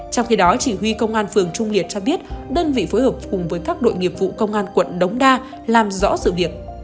trong khi đó chỉ huy công an phường trung liệt cho biết đơn vị phối hợp cùng với các đội nghiệp vụ công an quận đống đa làm rõ sự việc